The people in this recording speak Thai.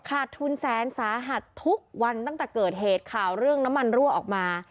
ขาดทุนแสนสาหัสทุกวันตั้งแต่เกิดเหตุข่าวเรื่องน้ำมันรั่วออกมา